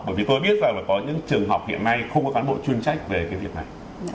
bởi vì tôi biết rằng là có những trường học hiện nay không có cán bộ chuyên trách về cái việc này